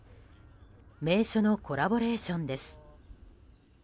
名所のコラボレーションです。